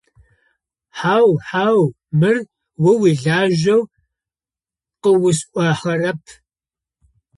Хьау, хьау, мыр о уилажьэу къыосӀуахэрэп.